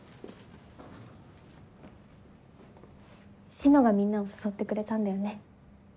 志乃がみんなを誘ってくれたんだよね？